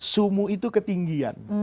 sumu itu ketinggian